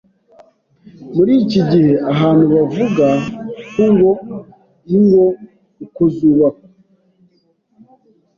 Muri iki gihe, abantu bavuga ko ngo ingo uko zubakwa